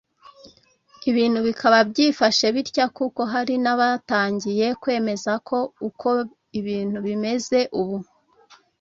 Ibintu bikaba byifashe bitya kuko hari n’abatangiye kwemeza ko uko ibintu bimeze ubu